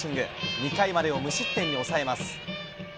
２回までを無失点に抑えます。